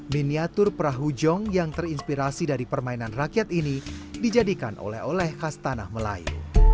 miniatur perahu jong yang terinspirasi dari permainan rakyat ini dijadikan oleh oleh khas tanah melayu